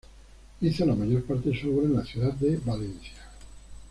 Hizo la mayor parte de su obra en la ciudad de Valencia.